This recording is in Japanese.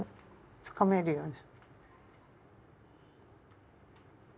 つかめるように。